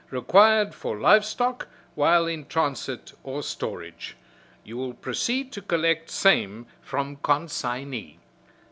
required for live stock while in transit or storage. You will proceed to collect same from consignee."